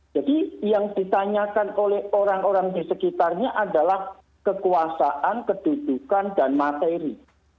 jadi yang ditanyakan oleh orang orang di sekitarnya adalah kekuasaan kedudukan dan materi